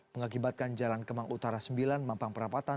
mengakibatkan jalan kemang utara sembilan mampang perapatan